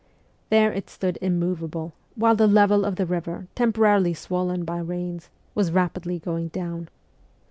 There it stood immovable, while the level of the river, tempo rarily swollen by rains, was rapidly going down.